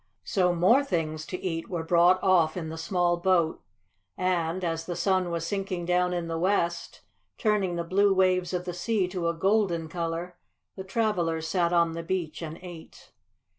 So more things to eat were brought off in the small boat, and, as the sun was sinking down in the west, turning the blue waves of the sea to a golden color, the travelers sat on the beach and ate.